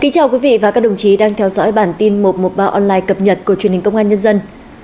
chào mừng quý vị đến với bản tin một trăm một mươi ba online cập nhật của truyền hình công an nhân dân